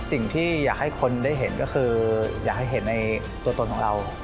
สิ่งที่อยากให้คนได้เห็นก็คืออยากให้เห็นในตัวตนของเรา